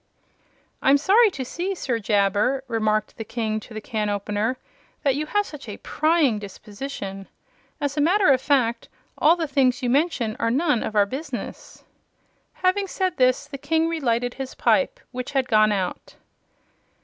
"I'm sorry to see, Sir Jabber," remarked the King to the can opener, "that you have such a prying disposition. As a matter of fact, all the things you mention are none of our business." Having said this the King relighted his pipe, which had gone out.